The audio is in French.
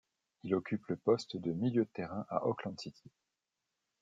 Il occupe le poste de milieu de terrain à Auckland City.